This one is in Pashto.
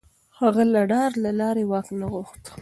هغه د ډار له لارې واک نه غوښت.